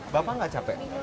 bapak nggak capek